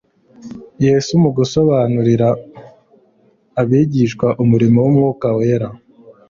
Yesu mu gusobanurira abigishwa umurimo w'Umwuka wera,